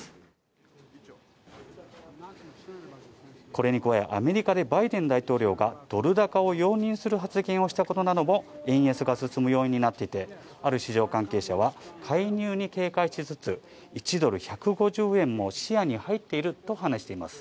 これに加え、アメリカでバイデン大統領がドル高を容認する発言をしたことなども円安をすすめる要因になっていて、ある市場関係者は介入に警戒しつつ、１ドル＝１５０円も視野に入っていると話しています。